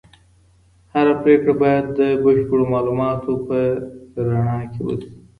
هره پریکړه باید د بشپړو معلوماتو په رڼا کي وسي.